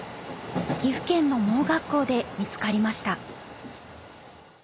岐阜県の盲学校で見つかりました。